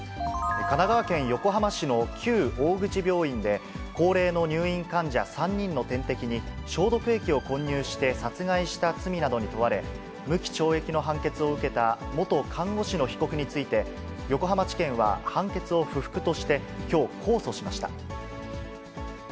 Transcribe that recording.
神奈川県横浜市の旧大口病院で、高齢の入院患者３人の点滴に消毒液を混入して殺害した罪などに問われ、無期懲役の判決を受けた元看護師の被告について、横浜地検は判決を不服として、きょう控訴しました。